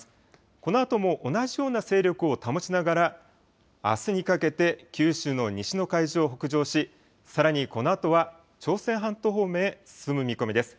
このあとも同じような勢力を保ちながら、あすにかけて、九州の西の海上を北上し、さらにこのあとは朝鮮半島方面へ進む見込みです。